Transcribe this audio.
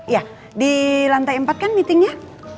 ya di lantai empat kan meetingnya